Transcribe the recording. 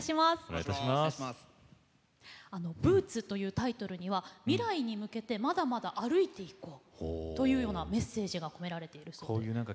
「Ｂｏｏｔｓ」というタイトルには未来に向けてまだまだ歩いていこうというメッセージが込められているそうです。